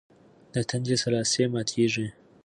د تندي سلاسې ماتېږي.